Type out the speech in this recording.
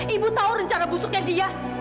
ibu tahu rencana busuknya dia